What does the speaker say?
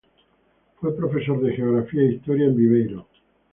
Fue profesor de Geografía e Historia en Viveiro.